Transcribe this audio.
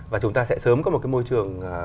và chúng ta sẽ sớm có một cái môi trường